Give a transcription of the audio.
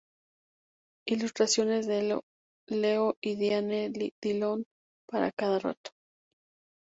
Ilustraciones de Leo y Diane Dillon para cada relato.